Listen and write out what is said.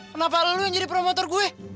kenapa lu yang jadi promotor gue